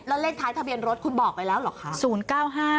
แล้วเลขท้ายทะเบียนรถคุณบอกไปแล้วเหรอคะ